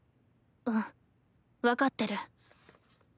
うん分かってる。